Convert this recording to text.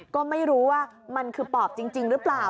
ก็ไม่รู้ว่ามันคือปอบจริงหรือเปล่า